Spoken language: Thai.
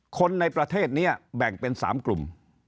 คนในประเทศนี้แบ่งเป็น๓กลุ่ม